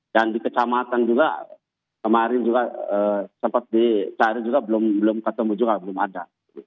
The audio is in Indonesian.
dan di kecamatan juga kemarin juga sempat dicari juga belum ketemu juga belum ada